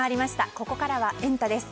ここからはエンタ！です。